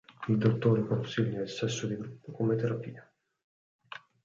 Il dottore consiglia il sesso di gruppo come terapia.